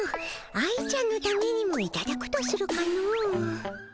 愛ちゃんのためにもいただくとするかの。